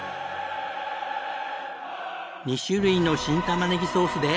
２種類の新たまねぎソースで。